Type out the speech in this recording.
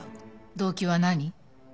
動機は何？